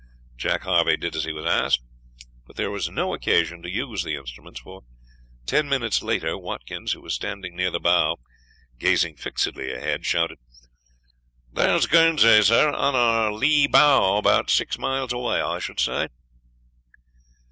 Jack Harvey did as he was asked, but there was no occasion to use the instruments, for ten minutes later, Watkins, who was standing near the bow gazing fixedly ahead, shouted: "There's Guernsey, sir, on her lee bow, about six miles away, I should say."